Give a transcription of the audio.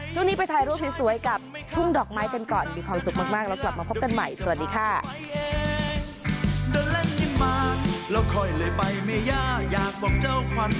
ช่วงนี้ไปถ่ายรูปสวยกับทุ่งดอกไม้กันก่อนมีความสุขมากเรากลับมาพบกันใหม่สวัสดีค่ะ